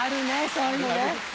そういうのね。